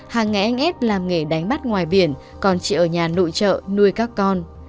hàng ngày anh s làm nghề đánh bắt ngoài biển còn chị ở nhà nội trợ nuôi các con